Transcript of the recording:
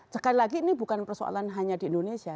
sekali lagi ini bukan persoalan hanya di indonesia